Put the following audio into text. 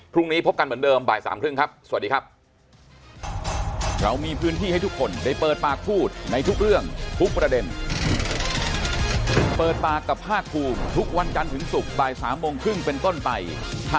พรุ่งนี้พบกันเหมือนเดิมบ่ายสามครึ่งครับ